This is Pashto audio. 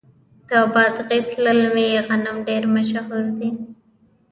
د بادغیس للمي غنم ډیر مشهور دي.